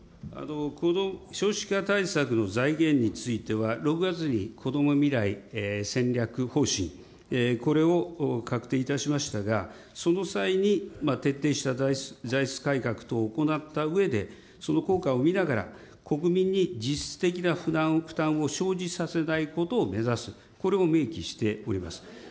この少子化対策の財源については、６月にこども未来戦略方針、これを確定いたしましたが、その際に、徹底した歳出改革等を行ったうえで、その効果を見ながら、国民に実質的な負担を生じさせないことを目指す、これを明記しております。